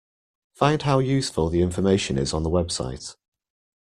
Find how useful the information is on the website.